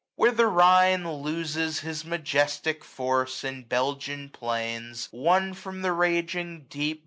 Where the Rhine loses his majestic force In Belgian plains, won from the raging deep.